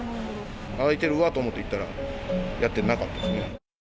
開いてるわと思って行ったら、やってなかったですね。